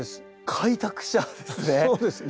開拓者ですね。